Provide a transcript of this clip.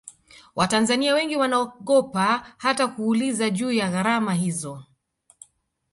watanzania wengi wanaogopa hata kuuliza juu ya gharama hizo